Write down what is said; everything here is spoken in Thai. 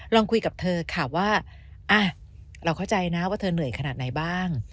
ลองคุยกับเธอค่ะว่าเราเข้าใจนะว่าเธอเหนื่อยขนาดไหนบ้าง